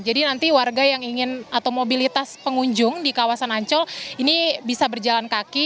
jadi nanti warga yang ingin atau mobilitas pengunjung di kawasan ancol ini bisa berjalan kaki